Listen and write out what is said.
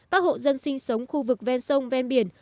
các hộ dân sinh sống khu vực ven sông ven biển